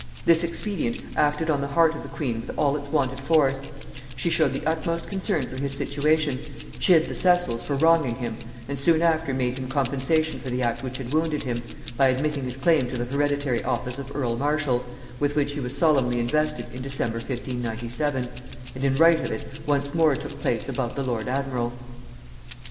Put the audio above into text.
This expedient acted on the heart of the queen with all its wonted force; she showed the utmost concern for his situation, chid the Cecils for wronging him, and soon after made him compensation for the act which had wounded him, by admitting his claim to the hereditary office of earl marshal, with which he was solemnly invested in December 1597; and in right of it once more took place above the lord admiral.